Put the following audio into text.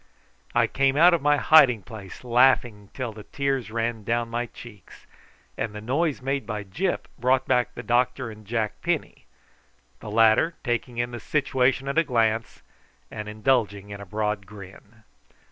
I came out of my hiding place laughing till the tears ran down my cheeks; and the noise made by Gyp brought back the doctor and Jack Penny, the latter taking in the situation at a glance and indulging in a broad grin.